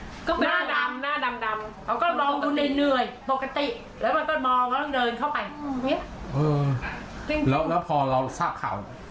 หน้าดำหน้าดำดำเค้าก็มองตัวเนื่อยปกติแล้วมันก็มองเค้าต้องเดินเข้าไป